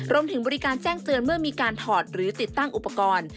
รวมถึงบริการแจ้งเตือนเมื่อมีการถอดหรือติดตั้งอุปกรณ์